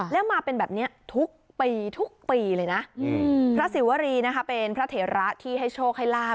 แล้วมาเป็นแบบนี้ทุกปีทุกปีเลยนะพระศิวรีนะคะเป็นพระเถระที่ให้โชคให้ลาบ